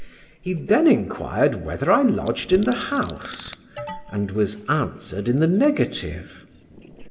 He then inquired whether I lodged in the house; and was answered in the negative.